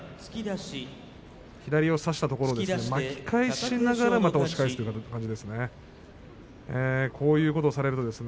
左を差したところで巻き返しながら、また押し返すという形になりましたね。